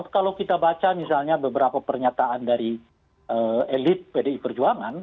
kalau kita baca misalnya beberapa pernyataan dari elit pdi perjuangan